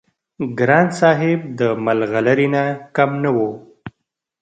ګران صاحب د ملغلرې نه کم نه وو-